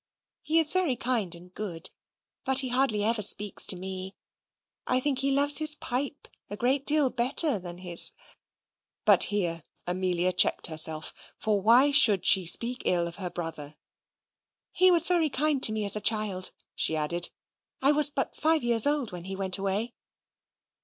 He is very kind and good, but he scarcely ever speaks to me; I think he loves his pipe a great deal better than his" but here Amelia checked herself, for why should she speak ill of her brother? "He was very kind to me as a child," she added; "I was but five years old when he went away."